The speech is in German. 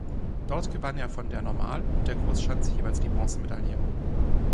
Dort gewann er von der Normal- und der Großschanze jeweils die Bronzemedaille.